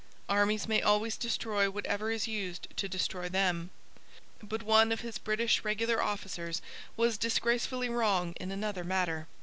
Armies may always destroy whatever is used to destroy them. But one of his British regular officers was disgracefully wrong in another matter.